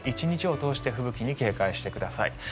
１日を通して吹雪に警戒してください。